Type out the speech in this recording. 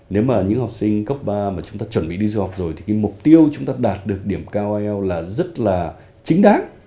nếu mà những học sinh cấp ba mà chúng ta chuẩn bị đi du học rồi thì cái mục tiêu chúng ta đạt được điểm cao ielts là rất là chính đáng